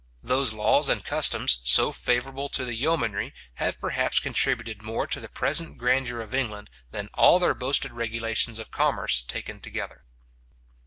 Those laws and customs, so favourable to the yeomanry, have perhaps contributed more to the present grandeur of England, than all their boasted regulations of commerce taken together.